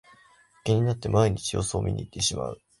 気になって毎日様子を見にいってしまう